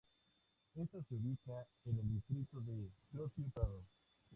Esta se ubica en el distrito de Grocio Prado.